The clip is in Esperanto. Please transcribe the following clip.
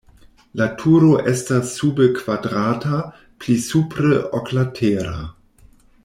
La turo estas sube kvadrata, pli supre oklatera.